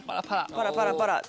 パラパラパラ。